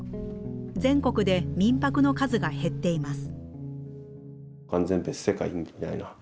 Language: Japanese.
全国で民泊の数が減っています。